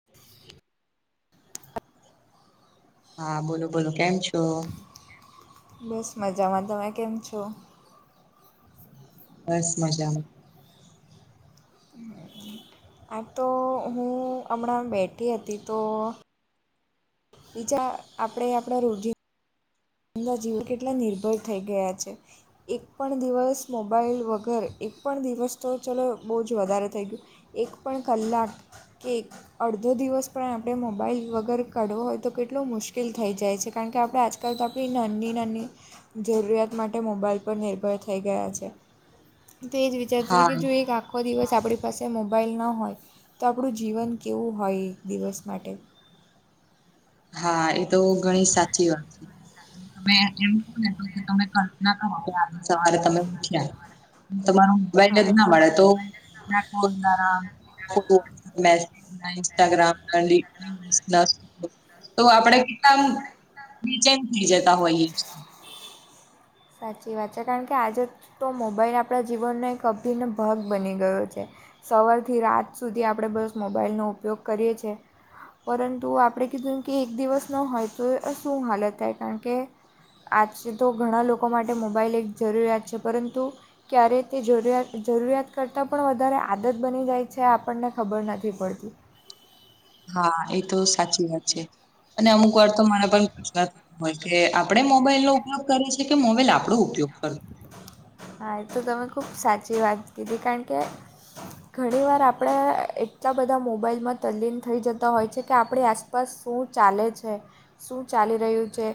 [inaudible] હા, બોલો બોલો કેમ છો? બસ મજામાં, તમે કેમ છો? બસ મજામાં. હા હા. આં તો હું હમણાં બેઠી હતી તો બીજા આપણે આપણા રોજી એમ્ના જીવ કેટલા નિર્ભર થઇ ગયા છે! એક પણ દિવસ મોબાઈલ વગર, એક પણ દિવસ તો ચલો બો જ વધારે થઈ ગયું એક પણ કલાક કે અડધો દિવસ પણ આપણે મોબાઈલ વગર કાઢવો હોય તો કેટલો મુશ્કીલ થઈ જાય છે કારણ કે આપણે આજકાલ તો આપ ણી નાની નાની જરૂરિયાત માટે મોબાઈલ પર નિર્ભર થઈ ગયા છે તે જ વિચારતી તી હા કે જો એક આખ ખો દિવસ આપણી પાસે મોબાઈલ ન હોય, તો આપણું જીવન કેવું હોય, એ દિવસ માટે હા, એ તો ઘણી સાચી વાત. તમે એમ કોને તો કે તમે કલ્પના કરો કે આજે સવારે તમે ઉઠ્યા તમારું વેલ્ડ જ હા ન મળે તો નાખો ના રામ ખોટુ મે [inaudible] ઈન્સ્ટ્રાગ્રામ લી [inaudible] નસ તો આપડે કેટલા બીચેન થઈ જતા હોયએ છે. સાચી વાત છે, કારણ કે આજે તો મોબાઈલ આપણા જીવનનો એક અભિન્ન ભાગ બની ગયો છે. સવારથી રાત સુધી આપણે બસ મોબાઈલનો ઉપયોગ કરીએ છે. પરંતુ આપણે કીધુન કે એક દિવસ ન હોય તો અ શું હાલત થાય કારણ કે આજ તો ઘણા લોકો માટે મોબાઈલ એક જરૂરિયાત છે પરંતુ ક્યારેય તે જરૂરિયાત જરૂરિયાત કરતાં પણ વધારે આદત બની જાય છે આપણને ખબર નથી પડતી. હા એ તો સાચી વાત છે અને અમુક વાર તો મને પણ [unintelligible] હોય કે આપડે મોબાઈલ નો ઉપયોગ કરીએ છે કે મોબાઈલ આપડો ઉપયોગ કરે. હા એ તો તમે ખૂબ સાચી વાત કીધી કારણ કે ઘણી વાર આપણે એટલા બધા મોબાઈલમાં તલ્લીન થઈ જતા હોય છે કે આપડે આસ પાસ શું ચાલે છે? શું ચાલી રહ્યું છે?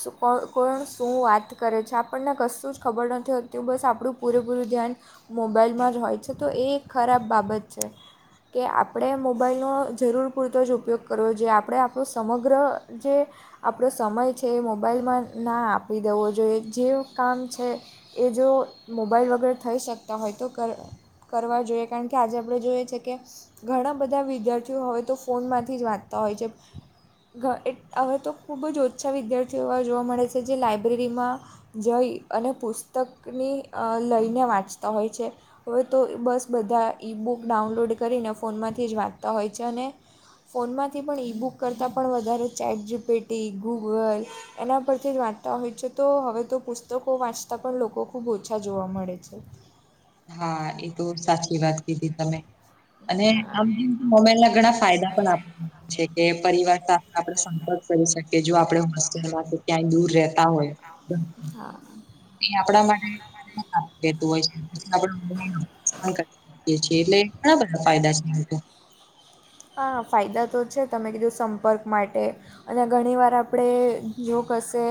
સુ કો કોણ શું વાત કરે છે આપણને કશું જ ખબર નથી હોત તી બસ આપણું પૂરેપૂરું ધ્યાન મોબાઈલમાં જ હોય છે તો એ એક ખરાબ બાબત છે. કે આપણે મોબાઈલનો જરૂર પૂરતો જ ઉપયોગ કરવો, જે આપણે આપડો સમગ્ર જે આપણો સમય છે મોબાઈલમાં ના આપી દેવો જોઈએ, જે કામ છે એ જો મોબાઈલ વગર થઈ શકતા હોય તો કરવા કરવા જોઈએ કારણ કે આજે આપણે જોઈએ છે કે ઘણા બધા વિદ્યાર્થીઓ હવે તો ફોનમાંથી જ વાંચતા હોય છે. ઘ એટ અવે તો ખૂબ જ ઓછા વિદ્યાર્થીઓ વા જોવા મળે છે જે લાઇબ્રેરીમાં જઈ અને પુસ્તકની અ લઈને વાંચતા હોય છે. હવે તો બસ બધા ઈ બુક ડાઉનલોડ કરીને ફોનમાંથી જ વાંચતા હોય છે અને ફોનમાંથી પણ ઇ બુક કરતાં પણ વધારે ચેટ જીપીટી, ગૂગલ એના પરથી જ વાંચતા હોય છે તો હવે તો પુસ્તકો વાંચ તાં પણ લોકો ખૂબ ઓછા જોવા છે. હા, એ તો સાચી વાત કીધી તમે અને હા આમ [unintelligible] મોબાઈલ ના ઘણા ફાયદા પણ આપે છે કે પરિવાર સાથે આપડે સંપર્ક કરી શકીએ, જો આપડે હોસ્ટેલમાંથી ક્યાંય દૂર રેતા હોય. બન હા. એ આપણા માટેે [unintelligible] કેતું હોય આપણે [unintelligible] કે છીએ, એટલે ઘણા બધા ફાયદા છે એના તો. હા, ફાયદા તો છે. તમે કીધું સંપર્ક માટે અને ઘણી વાર આપણે જો કશે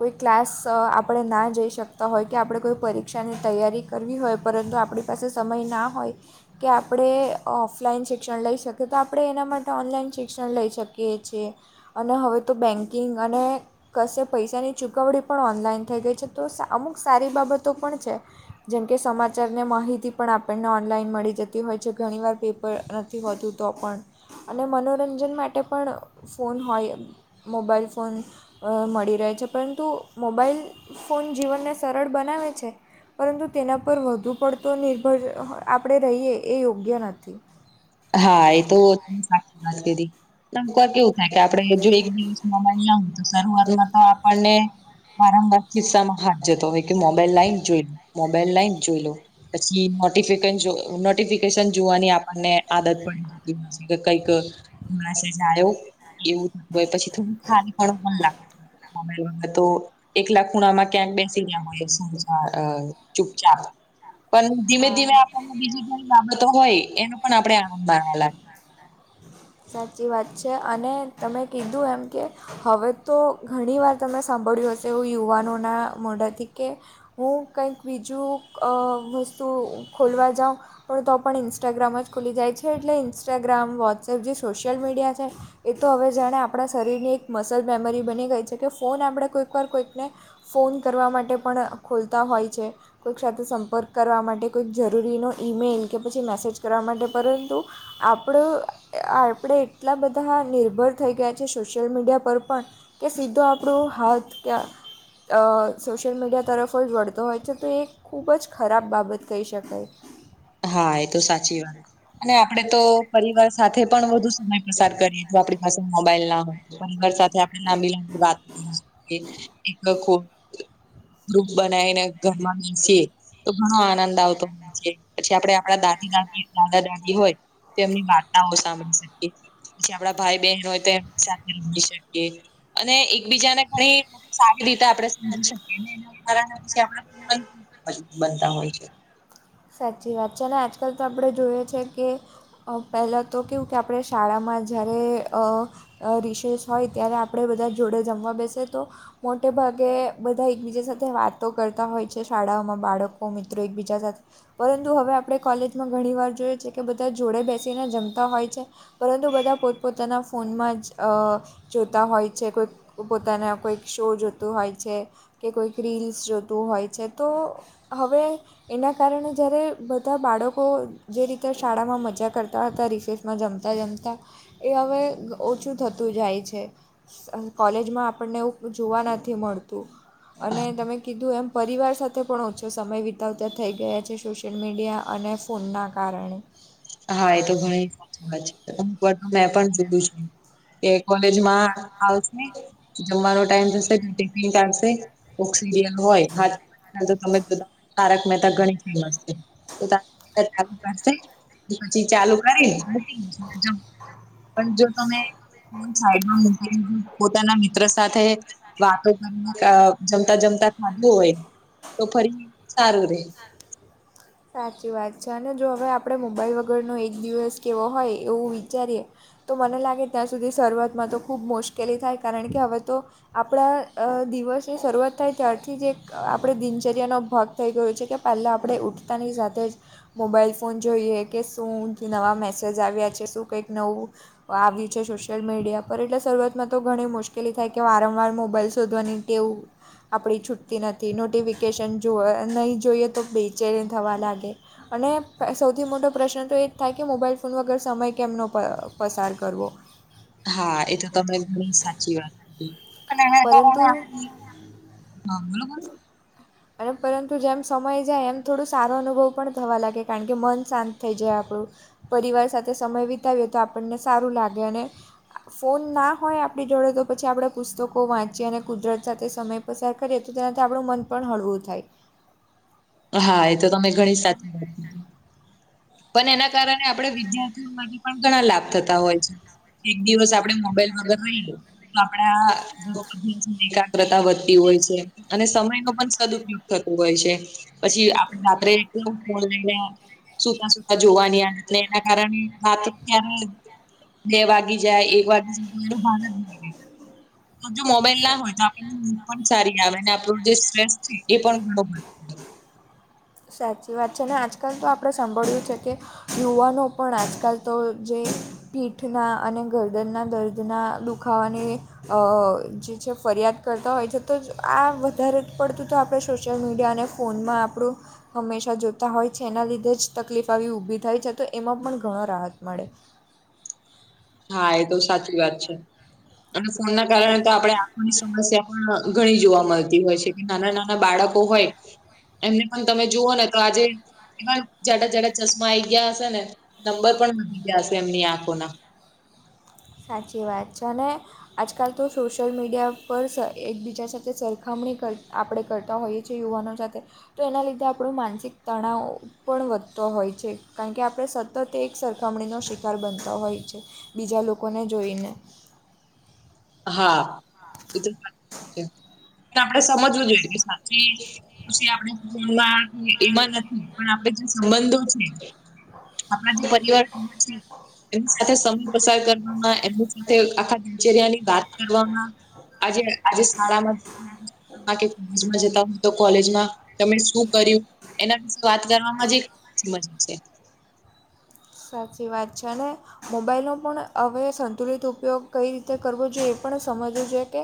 કોઈ ક્લાસ આપણે ના જઈ શકતા હોય કે આપણે કોઈ પરીક્ષાની તૈયારી કરવી હોય પરંતુ આપણી પાસે સમય ના હોય, કે આપણે ઓફલાઈન શિક્ષણ લઈ શકીએ. કે તો આપણે એના માટે ઓનલાઈન શિક્ષણ લઈ શકીએ છીએ. અને હવે તો બેન્કિંગ અને કશે પૈસાની ચૂકવણી પણ ઓનલાઈન થઈ ગઈ છે તો અમુક સારી બાબતો પણ છે. જેમકે સમાચાર ને માહિતી પણ આપણને ઓનલાઈન મળી જતી હોય છે ઘણી વાર પેપર નથી હોતું. તો પણ અને મનોરંજન માટે પણ ફોન હોય. મોબાઈલ ફોન મળી રહે છે, પરંતુ મોબાઈલ ફોન જીવનને સરળ બનાવે છે. પરંતુ તેના પર વધુ પડતો નિર્ભર આપણે રહીએ એ યોગ્ય નથી. હા એ તો તને સાચી વાત કરી. કર કેવું થાય કે આપડે જો એક દિવસમાં મળ આવ તો શરૂઆતમાં તો આપણને વારંવાર કિસ્સામાં હાથ જતો હોય કે મોબાઈલ લાઈઇન જોઈ લો મોબાઈલ લઇન જોઈ લો. પછી નોટફિક નોટિફિકેશન જોવાની આપણને આદત પડી જતી હો છે કે કઈક, મેસેજ આવ્યો. એવું થતું હોય પછી થોડું ખારી ફણું મ લાગ તો. એકલા ખૂણામાં ક્યાંક ના્યા હોય ચૂપચાપ. પણ ધીમે ધીમે હા આપણને ઘણી બાબતો હોય પણ આપડે આનંદ માણવા લાગ. સાચી વાત છે અને તમે કીધું એમ કે હવે તો ઘણી વાર તમે સાંભળ્યું હશે એવું યુવાનોના મોડાથી કે હું કંઈક બીજું વસ્તુ ખોલવા જાઉં. પણ તો પણ ઇન્સ્ટાગ્રામ જ ખુલી જાય છે એટલે ઇન્સ્ટાગ્રામ વોટ્સએપ જે સોશિયલ મીડિયા છે. એ તો હવે જાણે આપણા શરીરની એક મસલ મેમરી બની ગઈ છે કે ફોન આપણે કોઈક વાર કોઈકને. ફોન કરવા માટે પણ ખોલતા હોય છે. કોઈક સાથે સંપર્ક કરવા માટે કોઈક જરૂરીનો ઈમેઇલ કે પછી મેસેજ કરવા માટે પણ તો આપણો આપણે એટલા બધા નિર્ભર થઈ ગયા છે સોશિયલ મીડિયા પર પણ. કે સીધો આપણો હાથ ક્યાં સોશિયલ મીડિયા તરફ જ વળતો હોય છે તો એક ખૂબ જ ખરાબ બાબત કહી શકાય. હા એ તો સાચી વાત. અને આપડે તો પરિવાર સાથે પણ વધુ સમય પસાર કરીએ તો આપણી પાસે મોબાઈલ ના હોય. પરવાર સાથે આપણેબીલા વાતો કરીએ, એક ખ ગ્રુપ બનાવીને ઘરમાં બેસી તો ઘણો આનંદ આવતો હોય છે. પછી આપડણે આપણા દાદી દાદી દાદા દાદી હોય, તો એમની વાર્તાઓ સાંભળી શકીએ. આપડા ભાઈ બહેન તો એમની સાથે રમી શકીએ. અને એકબીજાને ઘણી સારી રીતે આપડણે સમજી શકીએ. [inaudible] બનતા હોય છે. સાચી વાત છે અને આજકાલ તો આપણે જોઈએ છે કે પહેલાં તો કેવું કે આપણે શાળામાં જ્યારે અ રિષસ હોય ત્યારે આપણે બધા જોડે જમવા બેસે તો મોટે ભાગે બધા એકબીજા સાથે વાતો કરતા હોય છે શાળાઓમાં બાળકો મિત્રો એકબીજા સાથે. પરંતુ હવે આપણે કોલેજમાં ઘણી વાર જોઈએ છ છે કે બધા જોડે બેસીને જમતા હોય છે. પરંતુ બધા પોતપોતાના ફોનમાં જ જોતા હોય છે કોઈક પોતાના કોઈક શો જોતો હોય છે કે કોઈક રીલ્સ જોતું હોય છે તો હવે એના કારણે જ્યારે બધા બાળકો જે રીતે શાળામાં મજા કરતા હતા રિસેસમાં જમતા જમતા એ હવે ઓછું થતું જાય છે. કોલેજમાં આપણને એવું જોવા નથી મળતું. અને તમે કીધું એમ પરિવાર સાથે પણ ઓછો સમય વિતાવતા થઈ ગયા છે સોશિયલ મીડિયા અને ફોનના કારણે. હા એ તો ધણી સાચી વાત છે અમુક વાર તો મેં પણ જોયું છે. એ કોલેજમાં આવશે જમવાનો ટાઈમ થશે તો ટિફિન કાઢશે કોક સિરિયલ હોય [inaudible] હાથ તમે બ તારક મહેતા ઘણી ફેમસ છે. તો ત ચાલુ કરશે પછી ચાલુ કરીને મૂકી ન જમસે. પણ જો તમે સાઈડમાં મુકી પોતાના મિત્ર સાથે વાતો કરીને અ જમતા જમતા થધું હોય તો ફરી સારું રે. સાચી વાત છે અને જો હવે આપણે મોબાઈલ વગરનો એક દિવસ કેવો હોય એવું વિચારીએ તો મને લાગે ત્યાં સુધી શરૂઆતમાં તો ખૂબ મુશ્કેલી થાય કારણ કે હવે તો આપણા અ દિવસની શરૂઆત થાય ત્યારથી જ એક આપણે દિનચર્યાનો ભક્ત થઈ ગયું છે કે પહેલાં આપણે ઉઠતાની સાથે જ મોબાઈલ ફોન જોઈએ કે શું નવા મેસેજ આવ્યા છે શું કંઈક નવું આવી છે સોશિયલ મીડિયા પર એટલે શરૂઆતમાં તો ઘણી મુશ્કેલી થાય કે વારંવાર મોબાઈલ શોધવાની ટેઉ આપણી છૂટતી નથી નોટિફિકેશન જો નહીં જોઈએ તો બે ચે થવા લાગે. અને સૌથી મોટો પ્રશ્ન તો એ જ થાય કે મોબાઈલ ફોન વગર સમય કેમનો પ પસાર કરવો. હા એ તો તમે ઘણી સાચી વાત. પરંતુ હા બલોબર. અને પરંતુ જેમ સમય જાય એમ થોડું સારો અનુભવ પણ થવા લાગે કારણ કે મન શાંત થઈ જાય આપણું. પરિવાર સાથે સમય વિતાવીએ તો આપણને સારું લાગે અને ફોન ના હોય આપણી જોડે તો પછી આપણે પુસ્તકો વાંચીએ અને કુદરત સાથે સમય પસાર કરીએ તો તેનાથી આપણું મન પણ હળવું થાય. હા એ તો તમે ઘણી સાચી પણ એના કારણે આપણેે વિદ્યાર્થીઓ માટે પણ ઘણા લાભ થતા હોય છે. એક દિવસ આપડે મોબાઈલ વગર રહીએે. તો આપણા ઘ અભ્યાસ એકાગ્રતા વધતી હોય છે. અને સમયનો પણ સદઉપયોગ થતો હોય છે પછી આપણે રાત્રે એકદમ ફોન લઈને સુતા સુતા જોવાની આદત ને એના કારણે વાત ત્યારે બે વાગી જાય એક વાગે જાય તો સીધો ફોન મુકી દે. તો જો મોબાઈલ ના સા- હોય તો આપને મ પણ સારી આવે આપણ જે સ્ટ્રેસ છે એ પણ બરોબર સાચી વાત છે અને આજકાલ તો આપણે સાંભળ્યું છે કે. યુવાનો પણ આજકાલ તો જે પીઠના અને ગરદનના દર્દના દુખાવાને અ જે છે ફરિયાદ કરતા હોય છે તો જ આ વધારે પડતું તો આપણે સોશિયલ મીડિયાને ફોનમાં આપણું હંમેશાં જોતા હોય છે એના લીધે જ તકલીફ આવી ઊભી થાય છે તો એમાં પણ ઘણો રાહત મળે હા એ તો સાચી વાત છે. અને ફોન ના કારણે તો આપડણે આંખોની સમસ્યા પણ ઘણી જોવા મળતી હોય છે. નાના નાના બાળકો હોય એમને પણ તમે જુઓ ને તો આજે એ જાડા જડા ચશ્મા આઈ ગયા હશે ને, નંબર પણ લી ગયા હશે એમની આંખોના. સાચી વાત છે અને આજકાલ તો સોશિયલ મીડિયા પર એકબીજા સાથે સરખામણી કર આપણે કરતા હોઈએ. છે યુવાનો સાથે, તો એના લીધે આપણું માનસિક તણાવ પણ વધતો હોય છે કારણ કે આપણે સતત એક સરખામણીનો શિકાર બનતા હોય છે. બીજા લોકોને જોઈને. હા એ તો સાચી વાત છે, પણ આપણે સમજવું જોઈએ કે સાચ પછી આપણે મનમાં એમાં નથી પણ જે સંબંધો છે. આપણા જે પરિવાર પ્રુખ છે. એમની સાથે સમય પસાર કરવામાં એમની સાથે આખા દિનચર્યાની વાત કરવામાં, આજે આજે શાળામાં જતા હોય તો તમે શું કર્યું. એના વિશે વાત કરવામાં જે મજા છે. સાચી વાત છે ને મોબાઈલનો પણ હવે સંતુલિત ઉપયોગ કઈ રીતે કરવો જોઈએ એ પણ સમજવું છે કે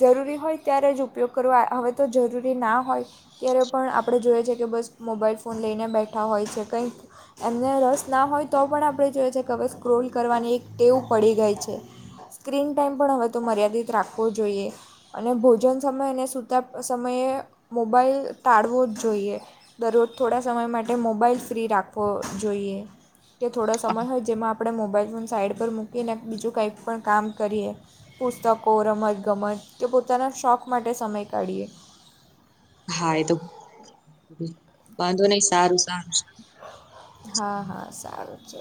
જરૂરી હોય ત્યારે જ કરવો તો જરૂરી ના હોય. ત્યારે પણ આપણે જોઈએ છ છેએ કે બસ મોબાઈલ ફોન લઈને બેઠા હોય છે કંઈક એમને રસ ના હોય તો પણ આપણે જોઈએ છ છે કે હવે સ્ક્રોલ કરવાની એક ટેવું પડી ગઈ છે. સ્ક્રીન ટાઈમ પણ હવે તો મર્યાદિત રાખવો જોઈએ. અને ભોજન સમય અને સૂતા સમયે મોબાઈલ ટાળવો જ જોઈએ. દરરોજ થોડા સમય માટે મોબાઈલ ફ્રી રાખવો જોઈએ. કે થોડો સમય હોય, જેમાં આપણે મોબાઈલ ફોન સાઈડ પર મૂકીને બીજું કંઈક પણ કામ કરીએ. પુસ્તકો, રમત ગમત તે પોતાના શોખ માટે સમય કાઢીએ. હા, એ તો વાંધો નહી સારું સારું સારું. હા હા સારું છે.